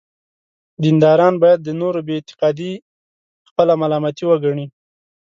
دینداران باید د نورو بې اعتقادي خپله ملامتي وګڼي.